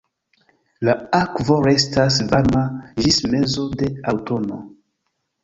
La akvo restas varma ĝis mezo de aŭtuno.